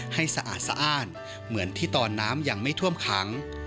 สะอาดสะอ้านเหมือนที่ตอนน้ำยังไม่ท่วมขัง